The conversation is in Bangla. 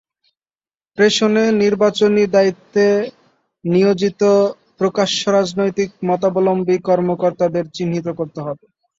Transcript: প্রেষণে নির্বাচনী দায়িত্বে নিয়োজিত প্রকাশ্য রাজনৈতিক মতাবলম্বী কর্মকর্তাদের চিহ্নিত করতে হবে।